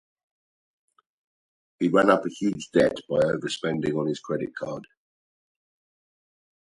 He ran up a huge debt by overspending on his credit card.